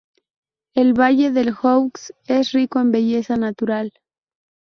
El valle del Joux es rico en belleza natural.